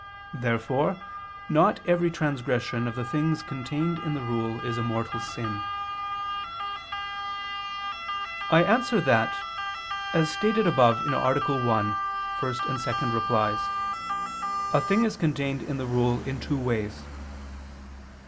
Therefore not every transgression of the things contained in the rule is a mortal sin. I answer that, As stated above (A. 1, ad 1, 2), a thing is contained in the rule in two ways.